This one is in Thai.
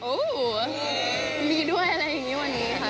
โอ้โหมีด้วยอะไรอย่างนี้วันนี้ค่ะ